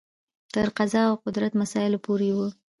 تر قضا او قدر مسایلو پورې و.